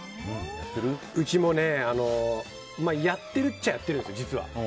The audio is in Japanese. うちもやってるっちゃやってるんですよ、実は。